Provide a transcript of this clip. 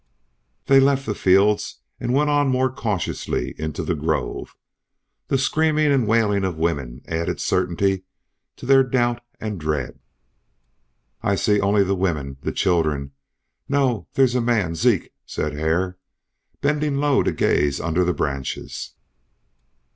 They left the fields and went on more cautiously into the grove. The screaming and wailing of women added certainty to their doubt and dread. "I see only the women the children no there's a man Zeke," said Hare, bending low to gaze under the branches.